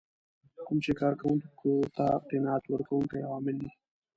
کوم چې کار کوونکو ته قناعت ورکوونکي عوامل دي.